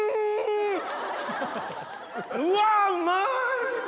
うわうまい！